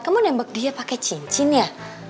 kamu nembak dia pakai cincin ya